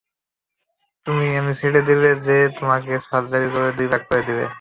আমি ছেড়ে দিলে সে তোমাকে সার্জারি করে দুই ভাগ করে দেবে।